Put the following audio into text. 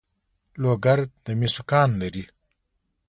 لوګر د مسو کان لري